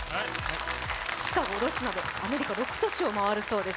シカゴ、ロスなどアメリカ６都市を巡るそうです